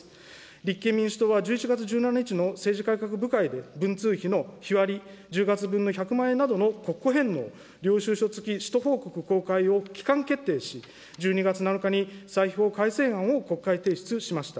立憲民主党は１１月１７日の政治改革部会で、文通費の日割り、１０月分の１００万円などの国庫返納、領収書付き使途報告・公開を機関決定し、１２月７日に歳費法改正案を国会提出しました。